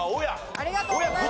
ありがとうございます。